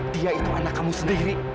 dia itu anak kamu sendiri